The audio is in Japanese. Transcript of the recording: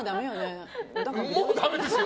もうだめですよ！